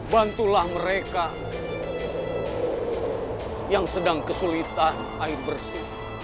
bantulah mereka yang sedang kesulitan air bersih